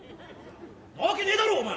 んなわけねえだろお前！